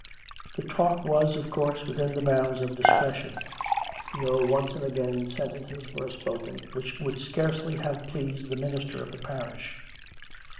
The talk was, of course, within the bounds of discretion; though once and again sentences were spoken which would scarcely have pleased the minister of the parish.